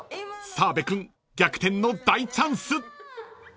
［澤部君逆転の大チャンス］